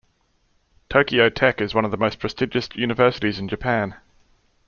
Tokyo Tech is one of the most prestigious universities in Japan.